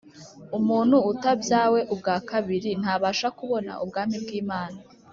“Umuntu utabyawe ubwa kabiri ntabasha kubona ubwami bw”Imana